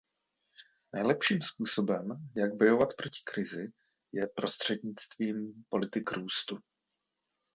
Nejlepším způsobem, jak bojovat proti krizi, je prostřednictvím politik růstu.